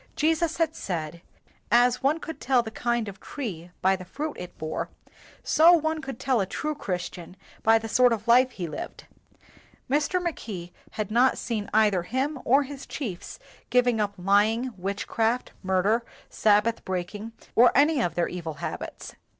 Jesus had said, as one could tell the kind of tree by the fruit it bore, so one could tell a true Christian by the sort of life he lived. Mr. Mackay had not seen either 108 WHITE MEN AND BLACK MEN him or liis chiefs giving up lying, witchcraft, murder, Sabbath breaking, or any of their evil habits.